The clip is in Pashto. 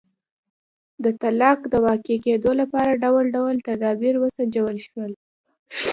د طلاق د واقع کېدو لپاره ډول ډول تدابیر وسنجول شول.